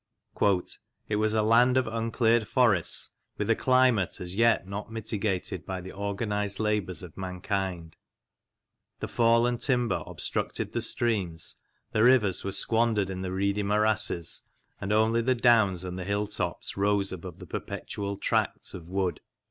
" It was a land of uncleared forests, with a climate as yet not mitigated by the organised labours of mankind. ... The fallen timber obstructed the streams, the rivers were squandered in the reedy morasses, and only the downs and the hilltops rose above the perpetual tracts of wood."